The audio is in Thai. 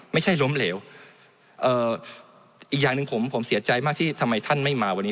ไม่ใช่ล้มเหลวเอ่ออีกอย่างหนึ่งผมผมเสียใจมากที่ทำไมท่านไม่มาวันนี้